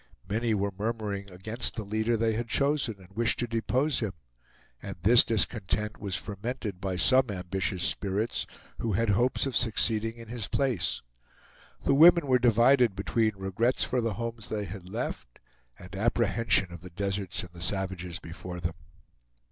Many were murmuring against the leader they had chosen, and wished to depose him; and this discontent was fermented by some ambitious spirits, who had hopes of succeeding in his place. The women were divided between regrets for the homes they had left and apprehension of the deserts and the savages before them.